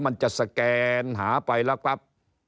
มันจะสแกนหาไปแล้วครับ